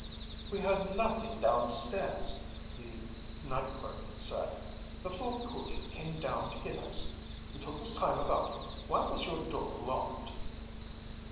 "We heard nothing downstairs," the night clerk said. "The floor coolie came down to get us. He took his time about it. Why was your door locked?"